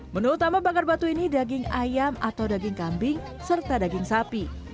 menu utama bakar batu ini daging ayam atau daging kambing serta daging sapi